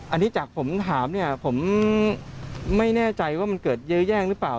อันนี้จากผมถามผมไม่แน่ใจว่ามันเกิดแย้งหรือเปล่า